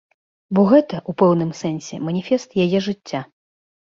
Бо гэта, у пэўным сэнсе, маніфест яе жыцця.